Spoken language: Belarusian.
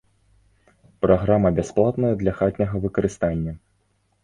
Праграма бясплатная для хатняга выкарыстання.